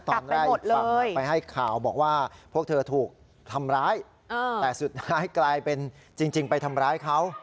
ตอนแรกอีกฝั่งไปให้ข่าวบอกว่าพวกเธอถูกทำร้ายแต่สุดท้ายกลายเป็นจริงไปทำร้ายเขา